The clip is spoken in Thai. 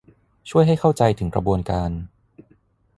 ช่วยให้เข้าใจถึงกระบวนการ